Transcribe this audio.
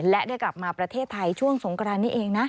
และได้กลับมาประเทศไทยช่วงสงกรานนี้เองนะ